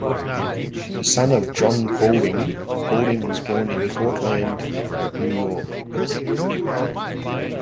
The son of John Paulding, Paulding was born in Cortlandt, New York.